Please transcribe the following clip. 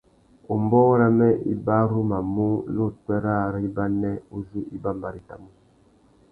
Umbōh râmê i barumanú nà upwê râā râ ibanê uzu i bambarétamú.